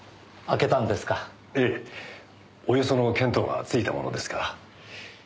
ええおよその見当がついたものですから。